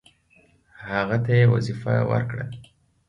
هغه ته یې وظیفه ورکړه.